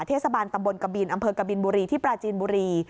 เทศบาลตำบลกบินอำเภอกบินบุรีที่ปราจีนบุรี